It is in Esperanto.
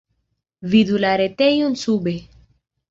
Vidu la retejon sube.